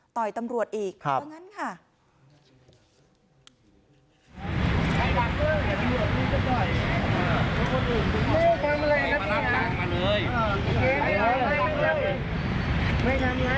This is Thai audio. ต่อยตำรวจอีกว่างั้นค่ะ